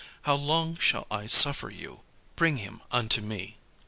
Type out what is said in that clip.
How long shall I suffer you? Bring him unto me."